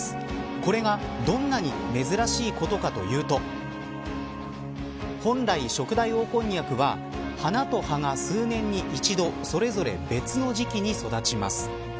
これがどんなに珍しいことかというと本来ショクダイオオコンニャクは花と葉が数年に一度それぞれ別の時期に育ちます。